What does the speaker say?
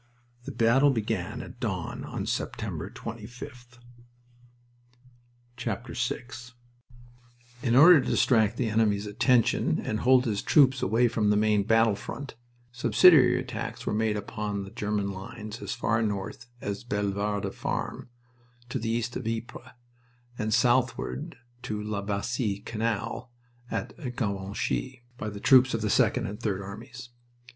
The battle began at dawn on September 25th. VI In order to distract the enemy's attention and hold his troops away from the main battle front, "subsidiary attacks" were made upon the German lines as far north as Bellewarde Farm, to the east of Ypres, and southward to La Bassee Canal at Givenchy, by the troops of the Second and Third Armies.